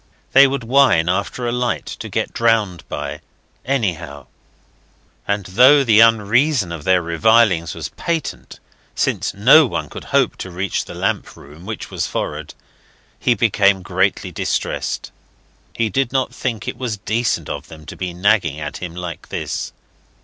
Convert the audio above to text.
They would whine after a light to get drowned by anyhow! And though the unreason of their revilings was patent since no one could hope to reach the lamp room, which was forward he became greatly distressed. He did not think it was decent of them to be nagging at him like this.